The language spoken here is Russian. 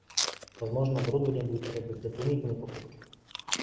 Возможно, оборудование будет требовать дополнительной покупки